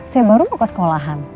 saya baru mau ke sekolahan